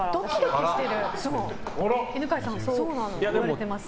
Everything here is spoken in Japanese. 犬飼さん、そう言われてます。